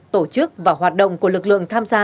tổ chức và hoạt động của lực lượng tham gia